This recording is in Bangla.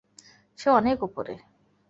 সে অনেক উপরে।